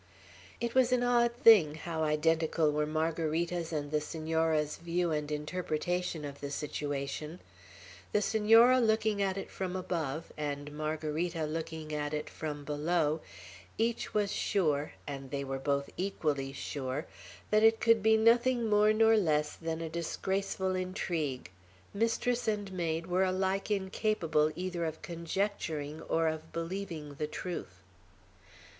It was an odd thing, how identical were Margarita's and the Senora's view and interpretation of the situation. The Senora looking at it from above, and Margarita looking at it from below, each was sure, and they were both equally sure, that it could be nothing more nor less than a disgraceful intrigue. Mistress and maid were alike incapable either of conjecturing or of believing the truth.